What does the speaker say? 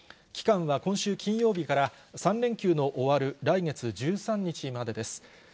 期間は今週金曜日から３連休の終わる来月１３日までです。